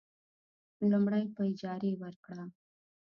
لومړی: په اجارې ورکړه.